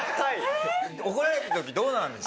怒られた時どうなんですか？